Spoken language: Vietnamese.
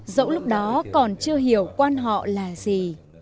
dẫu lúc đó còn chưa hiểu quán họ là gì